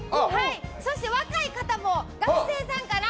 そして若い方も学生さんかな。